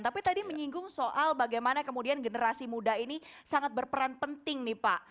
tapi tadi menyinggung soal bagaimana kemudian generasi muda ini sangat berperan penting nih pak